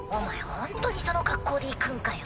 ほんとにその格好で行くんかよ。